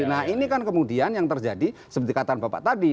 nah ini kan kemudian yang terjadi seperti kata bapak tadi